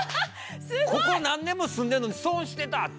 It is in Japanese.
ここ何年も住んでんのに損してたって。